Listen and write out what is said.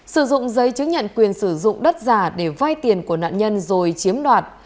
sử dụng giấy chứng nhận quyền sử dụng đất giả để vai tiền của nạn nhân rồi chiếm đoạt